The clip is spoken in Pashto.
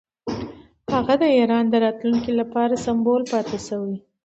هغه د ایران د راتلونکي لپاره سمبول پاتې شوی.